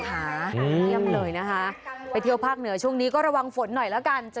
เยี่ยมเลยนะคะไปเที่ยวภาคเหนือช่วงนี้ก็ระวังฝนหน่อยแล้วกัน